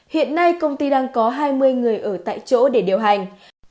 hiện nay công ty đang có hai mươi người ở tại chỗ để điều hành